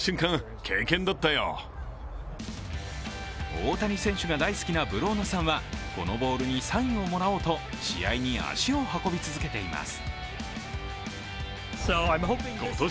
大谷選手が大好きなブローナさんはこのボールにサインをもらおうと試合に足を運び続けています。